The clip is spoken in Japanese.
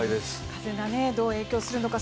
風がどう影響するのか。